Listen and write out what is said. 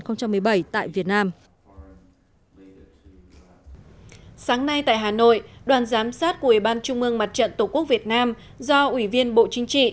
sáng nay tại hà nội đoàn giám sát của ủy ban trung mương mặt trận tổ quốc việt nam do ủy viên bộ chính trị